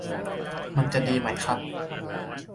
มันจะดีไหมครับ